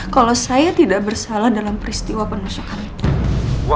kalau saya tidak bersalah dalam peristiwa penusukan itu